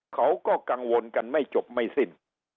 เขาก็กังวลกันไม่จบไม่สิ้น